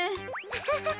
アハハハ